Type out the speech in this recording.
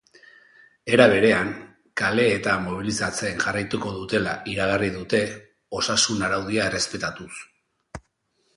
Era berean, kaleetan mobilizatzen jarraituko dutela iragarri dute, osasun araudia errespetatuz.